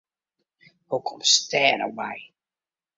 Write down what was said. Hoe komst dêr no by?